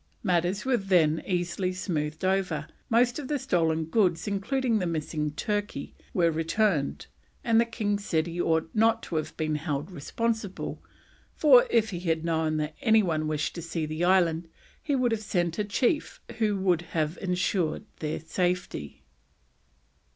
Matters were then easily smoothed over; most of the stolen goods, including the missing turkey, were returned, and the king said he ought not to have been held responsible, for, if he had known that any one wished to see the island, he would have sent a chief who would have ensured their safety.